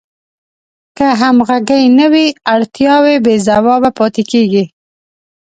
که همغږي نه وي اړتیاوې بې ځوابه پاتې کیږي.